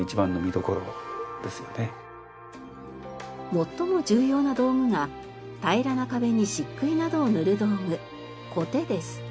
最も重要な道具が平らな壁に漆喰などを塗る道具コテです。